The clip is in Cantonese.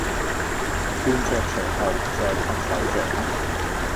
伴著隨後在拍手掌